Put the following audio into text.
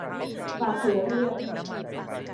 ฝากเผื่อเรียก